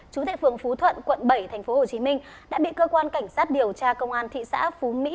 chú tệ phường phú thuận quận bảy tp hcm đã bị cơ quan cảnh sát điều tra công an thị xã phú mỹ